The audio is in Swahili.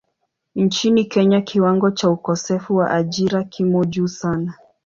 Nchini Kenya kiwango cha ukosefu wa ajira kimo juu sana.